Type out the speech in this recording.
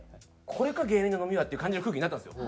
これか芸人の飲みは」っていう感じの空気になったんですよ。